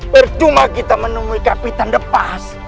bercuma kita menemui kapitan depos